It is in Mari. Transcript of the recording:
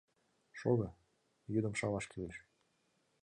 Шого, йӱдым шаваш кӱлеш.